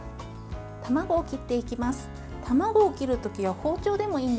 卵を切っていきます。